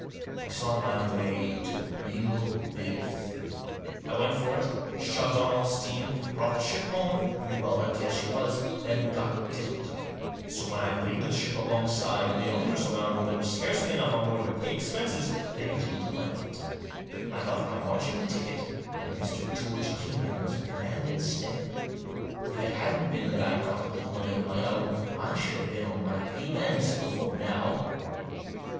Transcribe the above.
I saw my way to a real big thing. I went for it, shoved on all steam ; brought the ship home, pretty well empty as she was ; then got diddled. So, when I laid Digitized by THE RETICENCE OF CAPTAIN LANDER. 175 the ship alongside, and the owners found that there was scarcely enough on board to pay expenses, they didn't like it. I got my marching ticket, and Mr. George Kingdon was in command instead. If it hadn't been that I'd got a little money of my own, I should have been on my beam ends before now."